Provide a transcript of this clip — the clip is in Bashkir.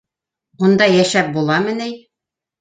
Унда йәшәп буламы ни?!